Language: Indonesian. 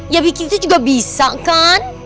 ya bikin itu juga bisa kan